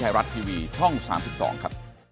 ไทยรัฐทีวีช่อง๓๒ครับ